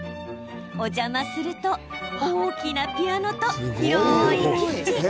お邪魔すると大きなピアノと広いキッチン。